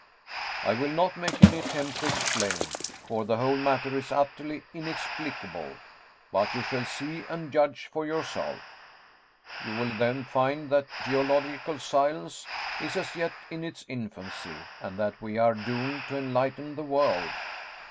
"I will not make any attempt to explain; for the whole matter is utterly inexplicable. But you shall see and judge for yourself. You will then find that geological science is as yet in its infancy and that we are doomed to enlighten the world."